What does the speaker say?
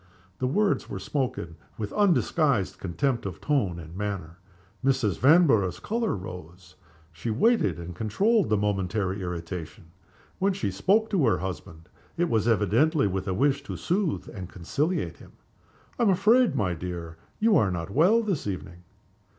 The words were spoken with undisguised contempt of tone and manner. Mrs. Vanborough's color rose. She waited, and controlled the momentary irritation. When she spoke to her husband it was evidently with a wish to soothe and conciliate him. "I am afraid, my dear, you are not well this evening?"